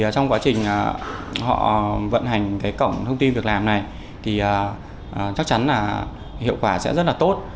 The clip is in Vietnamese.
trong quá trình họ vận hành cổng thông tin việc làm này thì chắc chắn là hiệu quả sẽ rất là tốt